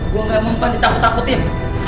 gue gak mempan ditakut takutin